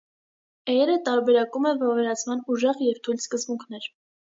Էյերը տարբերակում է վավերացման «ուժեղ» և «թույլ» սկզբունքներ։